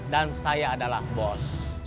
dan saya adalah bos